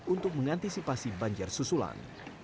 untuk mengantisipasi banjir susulan